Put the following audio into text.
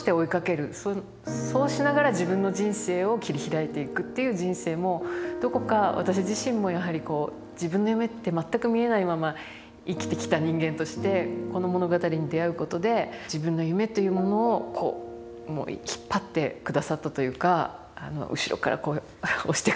そうしながら自分の人生を切り開いていくっていう人生もどこか私自身もやはりこう自分の夢って全く見えないまま生きてきた人間としてこの物語に出会うことで自分の夢というものをこう引っ張ってくださったというか後ろからこう押してくださったというか。